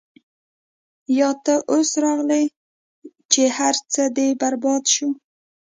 يا تۀ اوس راغلې چې هر څۀ دې برباد شو -